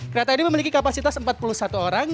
kereta ini memiliki kapasitas empat puluh satu orang